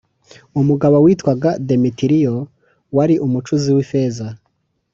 Umugabo witwaga Demetiriyo wari umucuzi w’ ifeza